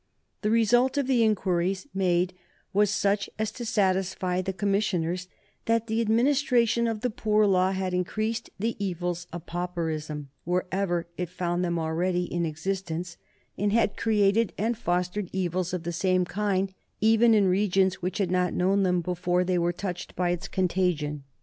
The result of the inquiries made was such as to satisfy the commissioners that the administration of the poor law had increased the evils of pauperism, wherever it found them already in existence, and had created and fostered evils of the same kind, even in regions which had not known them before they were touched by its contagion.